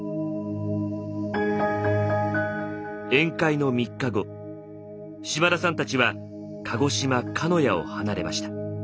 宴会の３日後島田さんたちは鹿児島・鹿屋を離れました。